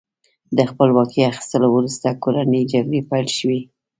د خپلواکۍ اخیستلو وروسته کورنۍ جګړې پیل شوې.